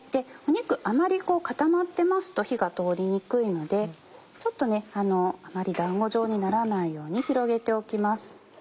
肉あまり固まってますと火が通りにくいのであまり団子状にならないように広げておきます。